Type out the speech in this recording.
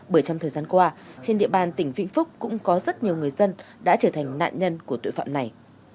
bởi trong thời gian qua trên địa bàn tỉnh vĩnh phúc cũng có rất nhiều người dân đã trở thành nạn nhân của tội phạm này